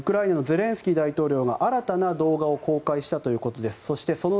ウクライナのゼレンスキー大統領が新たな動画を公開したということです。